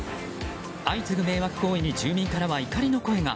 相次ぐ迷惑行為に住民からは怒りの声が。